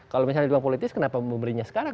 kalau misalnya dibilang politis kenapa memberinya sekarang